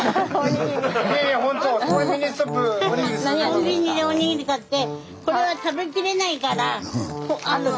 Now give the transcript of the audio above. コンビニでおにぎり買って。